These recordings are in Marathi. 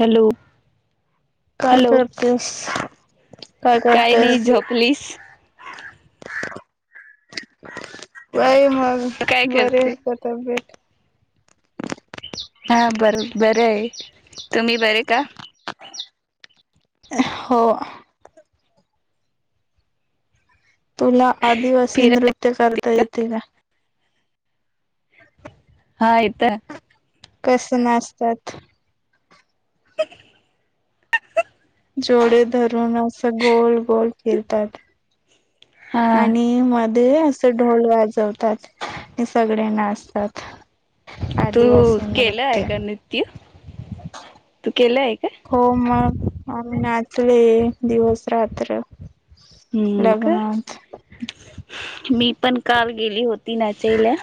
हॅलो! काय करतेस, काय काही करतयास! नाही झोपलीस व्हय मग काय बरी हे करते का तब्येेत? हा बर बरं आहे, तुम्ही बरे का? हं हो! तुला आदिवासी फिर नृत्य करता येते का? हा येत. कसं नाचतात? [inaudible] जोडे धरून असं गोल गोल फिरतात. हा आणि मध्ये असं ढोल वाजवतात, आण सगडे नाचतात. तू आदिवासी केलं आहे नृत्य क नृत्य, तू केलं आहे का? हो मग आम्ही नाचलेये दिवस रात्र. हूं का! लग्नात मी पण काल गेली होती नाचायंला.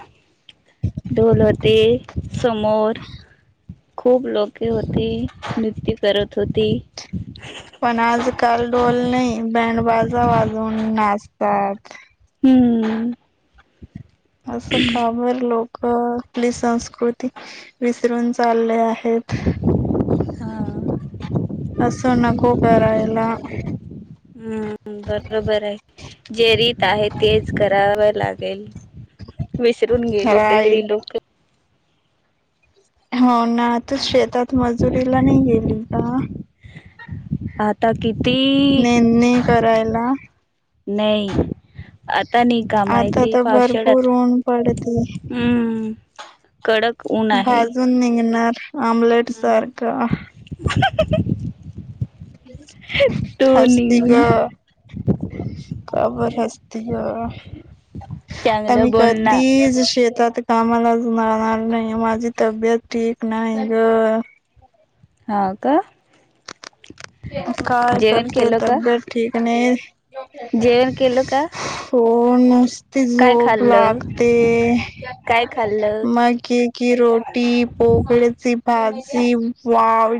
ढोल होते समोर! खूप लोके होती नृत्य करत होती. पण आजकाल डोल नही, बँड बाजा वाजवून नाचतात. हूं! असं का बोल लो! हो आपली संस्कृती विसरून चालले आहेत. हा असं नको करायला. हम्म बरोबर आहे, जे रीत आहे तेच करावं लागेल. विसरून गेले राईट. सगळी लोकं. हो ना आता शेतात, मजुरी ला नाही गेली का? आता किती. नेंदणी करायला नही आता निग आता तर भरपूर ऊन पडतय! हम्म कडक ऊन आहे भाजून निघणार आम्लेट सारक. तू नि हसती ग. [unintelligible] का बर हसती ग! चांगलं आणि बोलणार कधीच शेतात! कामाला आज जाणार नाहीयं, माझी तब्बेत ठीक नाही ग! हा का? काय जेवण करते तब्बेत ठीक नाही. जेवन केल का. हो नुसती काय झोप खाल्लं लागते, काय खाल्लं मग की की रोटी, पोकळेची भाजी, वाव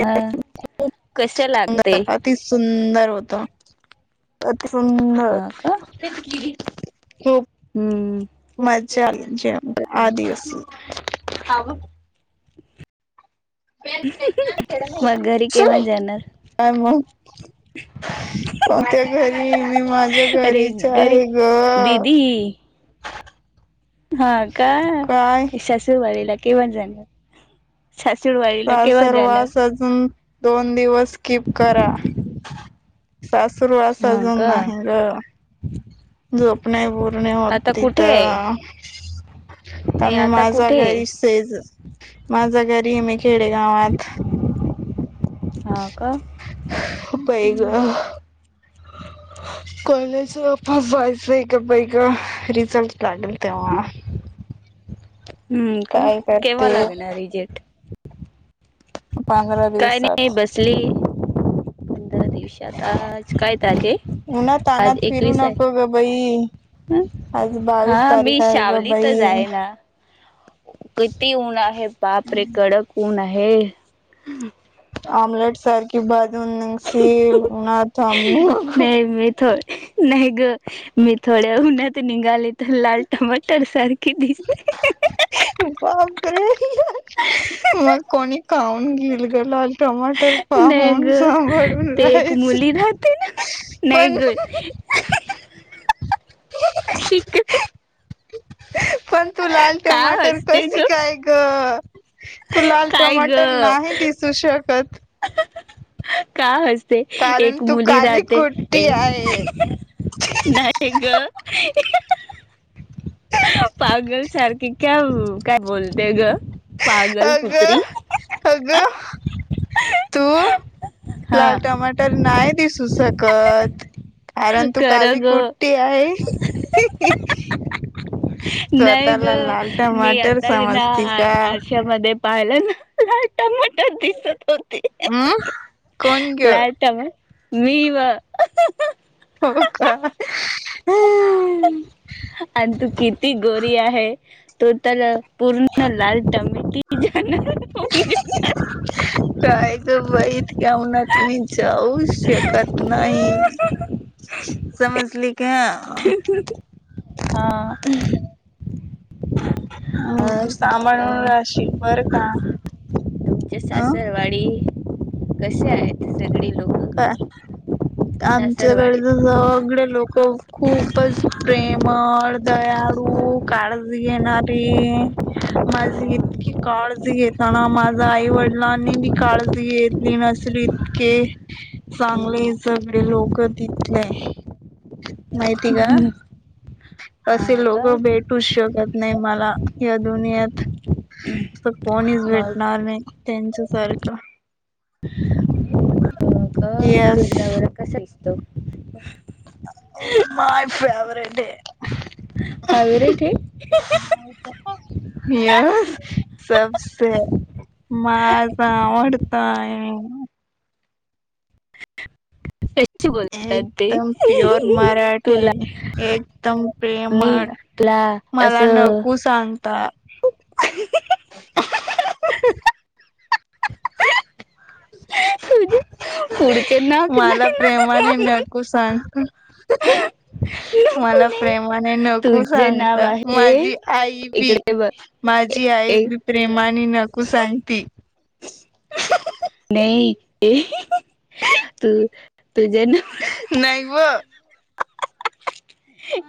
हां. कशं लागतय. अति सुंदर होत, अति सुंदर. हा का हो. हम्म. मज्जा आली जेवून आ दिवस, हाव. [inaudible] मग घरी केव्हा सुन जाणार काय मग. कोणत्या घरी, मी माझ्या अरे घरीच घरी आहे ग. दिदी हा का काय मग सासरवाडीला केव्हा जानार. सासूरवाडीला केव्हा जाणार. हं दोन दिवस स्कीप करा. सासूरवास हा अजून का नाही ग. [inaudible] झोप नाही पूर्ण होत आता तिथ, कुठे आहे नाही मी आता माझा कुठे आहे घरीच तेच माझ्या घरी मी खेडेगावात. हा का. बय ग. हम्म. कॉलेजवर पण जायचं ग बाई ग, रिझल्ट लागेल तेव्हा. [inaudible] हं का काय केव्हा करते लागणार रिजल्ट. पंधरा काय नाही दिवसात बसलीये. त्या दिवशी आता आज काय तारीख आहे, उन्हात आज अनात फिरू एकवीस आहे. नको ग बाई हं? आज बावीस हा मी तारीख आहे ग बाई. सावलीतच आहे ना किती ऊन आहे, बाप रे कडक ऊन आहे. आमलेट सारखी भाजून निघशील ऊन्हात. अह नाही मी थो नाही ग मी थोड्या उन्हात निघाले. लाल टमाटर सारखी दिसते. बाप रे, मग कोणी खाऊन बर तुले. नाही ग, ते एक राहायचं मुली राहते ना नाही पण ग. पण तू लाल का टमाटर हसते कशी ग काय ग. तू लाल काय टमाटर नाही ग दिसू शकत. का हसते, कारण एक तू मुली काली राहते. कुट्टी आहे नाही ग. पागल सारखी का काय बोलते ग. पागल अग कुत्री. अग तू हा लाल टमाटर. नाय दिसु शकतं. कत कारण तू कर काली ग कुठठी आहे. नाही ग, स्वतःला लाल मी टमाटर आता यना समजती का आज चर मध्ये पायलन लाल टमाटर दिसत होत. ती हम्म कोण ग लाल टमा, मी व हो का, हं. अन् तू किती गोरी आहे तू तर पूर्ण लाल टमिटी झाना, हं. [inaudible] काय त बाई, इतक्या उनात मी जाऊच शकत नाही. समजली का? हा. हम्म. हम्म सांभाळून अ रहाशी, बर का! तुमचे अं सासरवाडी, कश्याएत? का? आमच्याकडे सासरवाडीत तर सगळे लोकं खूपच प्रेमळ, दयाडू, काळजी घेणारी माझी इतकी काळजी घेताना माझा आईवडलांनी बी काळजी घेतली नसली के, हम्म चांगले सगळे लोक तिथले. माहिती का? असे हा का लोकं भेटू शकत नाही मला, या दुनिययेत. कोणीच मग भेटणार नाही, त्यांच्या सारखं. [inaudible] येस तुझ नवरा कसा दिसतो? My favourite. Five rate. Yes. सबसे, माझा आवडताय. ची बोलतात ते. एकदम प्युअर तुला मराठी एकदम नी प्रेमळ तुला असं ताणता. [inaudible] तुझे पुढचे नाक मला नाही ना, प्रेमाने मनून. [unintelligible] नको मला नाही प्रेमाने नकु तुझे नाव सांगता आहे माझी आई बी. इकडे बघ माझी ए- आई ए- बी प्रेमाने नको सांगती. नाही, ये तू, तुझे ना नाही व.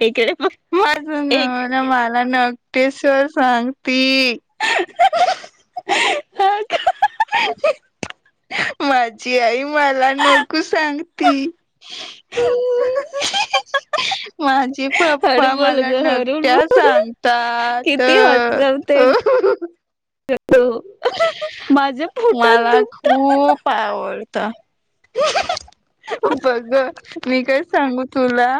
इकडं. माझं नवरा मला नकटे सर सांगती. [unintelligible] हळू माझी आई मला नको सांगती. [inaudible] माझे पप्पा बोल मला ग हळू बोल नकट्या सांगतात. किती [inaudible] येतो. मला दुखत खूप आवडत. बघ गं मी काय सांगू तुला?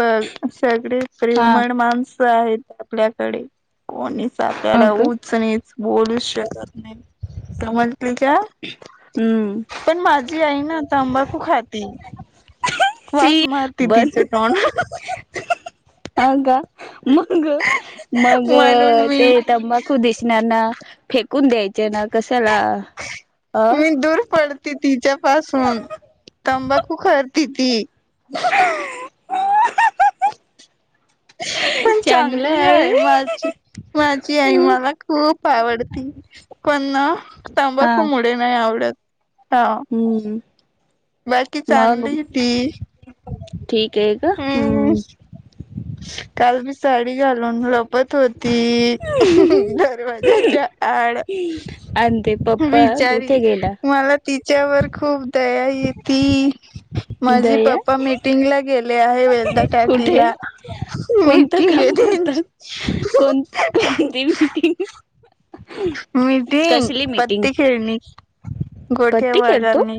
पर सगळे हा प्रेमळ माणसं आहेत आपल्याकडे. कोणीच हो आपल्याला का उचणीच बोलूच शकत नाही, समजली का.? हम्म पण माझी आई ना तंबाखू खाते. शी वांस मारती बन तिचे टोन. अ का, मगं मग म्हणून मी ते तंबाखू दिसणार ना, फेकून द्यायचे ना कशाला अ मी दूर पडत ति तिच्या पासून,, तंबाखू खाती ती. अ [inaudible] पण चांगली आहे माझी,, माझी आई मला खूप आवडती,, पण ना हा तंबाखू मुळे नाही आवडत,, हा हम्म बाकी मग,, चांगली ती ठीक आहे का,, हम्म काल मी साडी घालून लप पत होती, दरवाज्याच्या आड आणि ते पप्पा बिचारी कुठे गेला मला तिच्यावर खूप दया येती. माझी दया पप्पा मीटिंग ला गेले आहे कुठे वेलदाकाठीला. कोणतं मीटिंग ए काम करतात त्यांची. कोण कोणती मीटिंग मीटिंग,, कसली मीटिंग पत्ते खेळने. पत्ती खेळतो गोठ्यावागरने,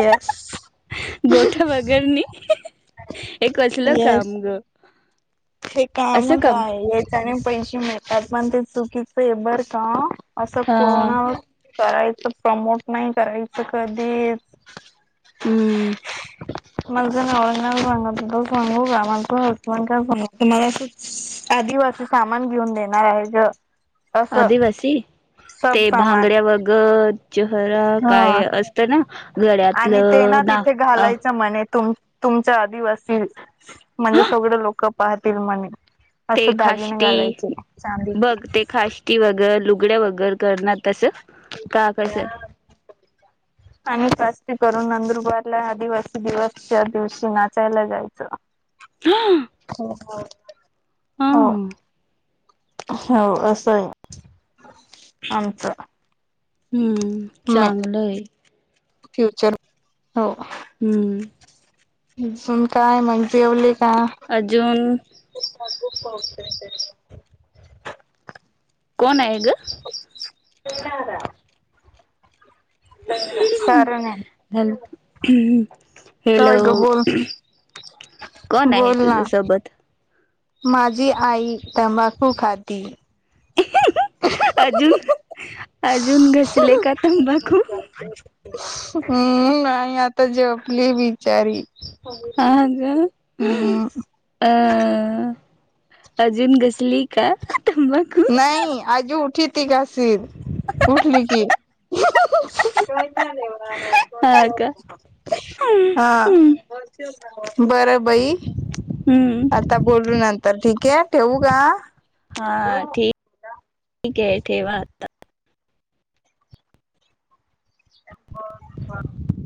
येस गोठ्या वगरने,,, हे कसलं येस काम गं.? हे कामच आहे याच्याने पैसे मिळतात, पण ते चुकीचं आहे बर का. असं हा कोणा करायचं प्रमोट नाही करायचं कधीच हम्म माझं नवरा ना सांगात होता सांगू का, माझं हसबंड काय सांगत मला असं आदिवासी सामान घेऊन देणार आहे गं. आदिवासी,, सब ते सामान भांगड्या वगर चेहरा काय हा अस तना. आणि ते ना तिथे घालायचं म्हणे, तुम तुमच्या आदिवासी,, म्हणजे सगळं लोकं पाहतील म्हणे. ते असं दागिने खाष्टी घालायचे,, चांदीचे कि वगैर लुगड्या वगैर करणार तसं,, का कसं [inaudible] आणि फस्ती करून नंदुरबारला आदिवासी दिवसच्या दिवशी नाचायला जायचं. हा होका हो. हो असंय आमचं. हम्म म चांगलंय. फ्युचर, हो. हम्म अजून काय मग जेवले का? अजून खूप म खूप पहते त्या [unintelligible] कोण आय गं? ते दादा.. कारण आहे हम्म हॅलो हम हॅलो होय ग बोल कोण आहे बोल ना तुझ्या सोबत माझी आई तंबाखू खाती अजुन अजून ह ह तंबाखू हम्म नाही आता झोपली बिचारी हा ग हम्म अ अजुन घसली का तंबाख नाही आज उठीत ती घसित उठली की [inaudible] हा का हा हम्म बरं बाई हम्म आता बोलू नंतर ठीक ये ठेवू का हा ठीक ये ठेवा आता [inaudible]